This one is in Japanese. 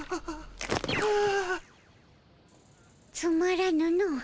つまらぬの。